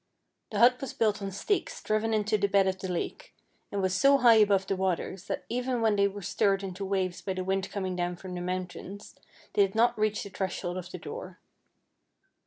The hut was built on stakes driven into the bed of the lake, and was so high above the waters that even when they were stirred into waves by the wind coming down from the mountains they did not reach the threshold of the door.